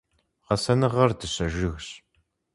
Гъэсэныгъэр дыщэ жыгщ.